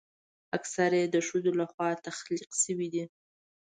اکثره یې د ښځو لخوا تخلیق شوي دي.